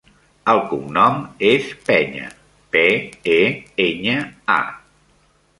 El cognom és Peña: pe, e, enya, a.